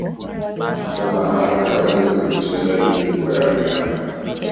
Mashamba hayo hayawezi kudumisha idadi kubwa ya wanyama